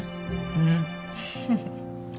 うん。